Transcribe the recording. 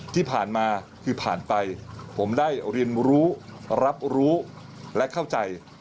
ที่ผ่านมาคือผ่านไปผมได้เรียนรู้รับรู้และเข้าใจ